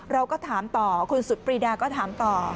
เราก็ถามต่อคุณสุดปรีดาก็ถามต่อ